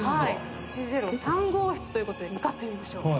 １０３号室ということで向かってみましょう。